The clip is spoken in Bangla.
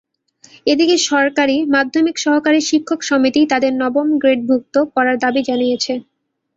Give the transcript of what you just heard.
এদিকে সরকারি মাধ্যমিক সহকারী শিক্ষক সমিতি তাদের নবম গ্রেডভুক্ত করার দাবি জানিয়েছে।